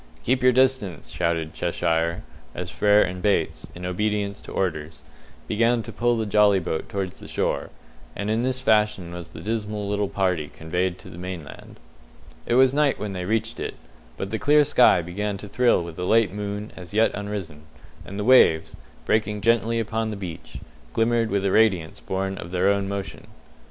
"Keep your distance!" shouted Cheshire, as Frere and Bates, in obedience to orders, began to pull the jolly boat towards the shore; and in this fashion was the dismal little party conveyed to the mainland. It was night when they reached it, but the clear sky began to thrill with a late moon as yet unrisen, and the waves, breaking gently upon the beach, glimmered with a radiance born of their own motion.